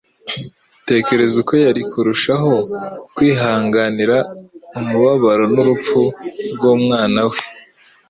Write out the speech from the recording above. Tekereza uko yari kurushaho kwihanganira umubabaro n'urupfu rw'Umwana we